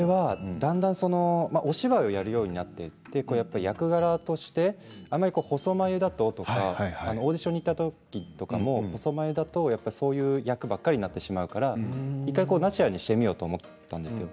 だんだんお芝居をやるようになっていって役柄としてあまり細眉だとオーディションに行ったときとかも細眉だとそういう役ばかりになってしまうから１回ナチュラルにしてみようと思ったんです。